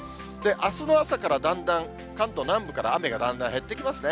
あすの朝からだんだん関東南部から、雨がだんだん減ってきますね。